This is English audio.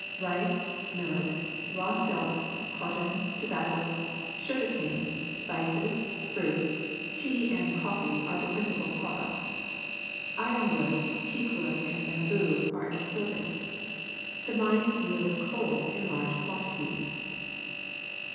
Rice, millet, raw silk, cotton, tobacco, sugar cane, spices, fruits, tea, and coffee are the principal products. Ironwood, teakwood, and bamboo are ex ported. The mines yield coal in large quantities.